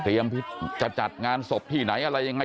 เตรียมพิษจะจัดงานศพที่ไหนอะไรยังไง